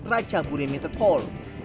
raja buri meterpol